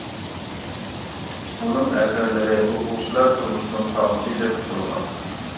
ئۇنىڭ ئەسەرلىرى «ئوقۇغۇچىلار تۇرمۇشىنىڭ قامۇسى» دەپ ئاتالغان.